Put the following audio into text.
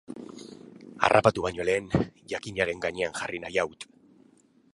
Harrapatu baino lehen, jakinaren gainean jarri nahi haut.